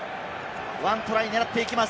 １トライ狙っていきます。